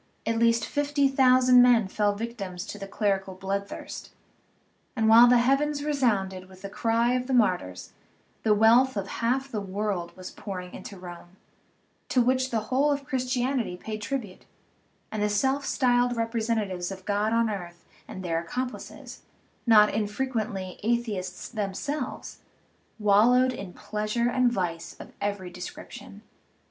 at least fifty thousand men fell victims to the clerical bloodthirst. And while the heavens resounded with the cry of the martyrs, the wealth of half the world was pouring into Rome, to which the whole of Christianity paid tribute, and the self styled representatives of God on earth and their accomplices (not infrequently Atheists themselves) wal lowed in pleasure and vice of every description.